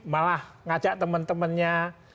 malah ngajak temen temennya